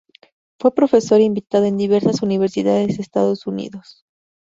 Fue profesor invitado en diversas universidades de Estados Unidos.